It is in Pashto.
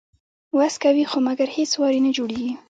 وس کوي خو مګر هیڅ وار یې نه جوړیږي